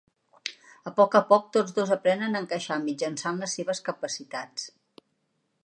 A poc a poc, tots dos aprenen a encaixar mitjançant les seves capacitats.